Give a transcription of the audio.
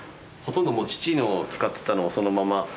ほとんどもう父の使ってたのをそのまま。